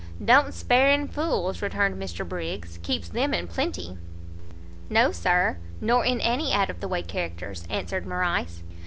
"Don't spare in fools!" returned Mr Briggs, "keeps them in plenty." "No, Sir, nor in any out of the way characters," answered Morrice.